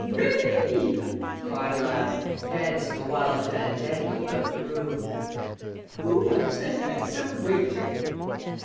"Hooray!" cried Aladdin, dancing a wild fandango about the room. "_Who wants the handsome waiter?